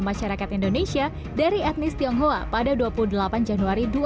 masyarakat indonesia dari etnis tionghoa pada dua puluh delapan januari dua ribu dua puluh